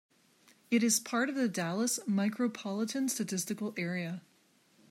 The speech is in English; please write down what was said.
It is part of the Dallas micropolitan statistical area.